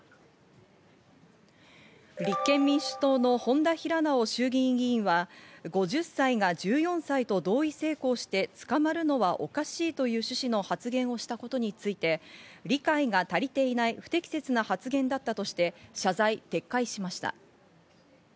立憲民主党の本多平直衆議院議員は５０歳が１４歳と同意性交して捕まるのはおかしいという趣旨の発言をしたことについて、理解が足りていない不適切な発言だったとして謝罪、撤回しました。